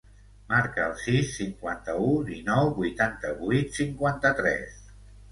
Marca el sis, cinquanta-u, dinou, vuitanta-vuit, cinquanta-tres.